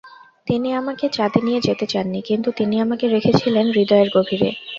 তিনি আমাকে চাঁদে নিয়ে যেতে চাননি, কিন্তু তিনি আমাকে রেখেছিলেন হূদয়ের গভীরে।